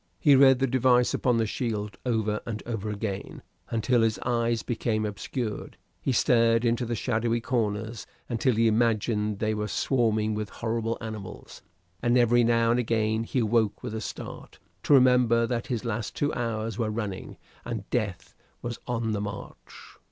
He read the device upon the shield over and over again, until his eyes became obscured; he stared into shadowy corners until he imagined they were swarming with horrible animals; and every now and again he awoke with a start, to remember that his last two hours were running, and death was on the march.